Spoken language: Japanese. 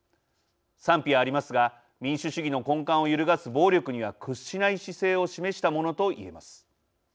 賛否はありますが民主主義の根幹を揺るがす暴力には屈しない姿勢を示したものと言えます。